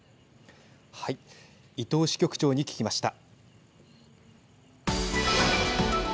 伊藤支局長に聞きました。